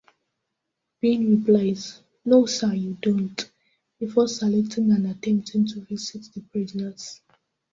Bean replies "No sir, you don't" before saluting and attempting to visit the prisoners.